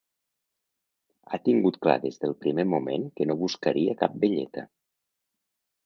Ha tingut clar des del primer moment que no buscaria cap velleta.